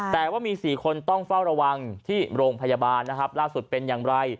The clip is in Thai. แต่ว่ามี๔คนต้องเฝ้าระวังที่โรงพยาบาลนะครับล่าสุดเป็นอย่างไร